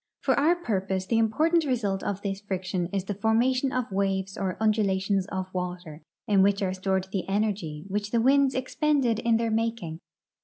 For our purpose the important result of this friction is the formation of Avaves or undulations of Avater, in Avhich are stored the energy Avhich the Avinds expended in their making.